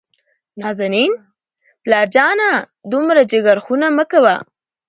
نازنين : پلار جانه دومره جګرخوني مه کوه.